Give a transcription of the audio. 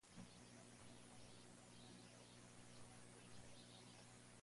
Está situada en el extremo noroccidental de la comarca de Alhama.